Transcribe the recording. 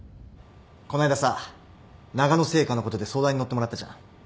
この間さながの製菓のことで相談に乗ってもらったじゃん。